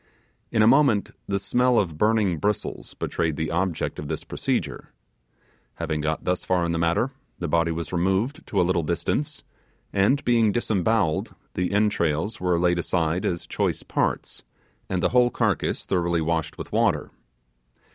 In a moment the smell of burning bristles betrayed the object of this procedure. Having got thus far in the matter, the body was removed to a little distance and, being disembowelled, the entrails were laid aside as choice parts, and the whole carcass thoroughly washed with water.